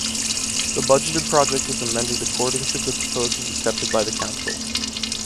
The budgeted project is amended according to the proposals accepted by the Council.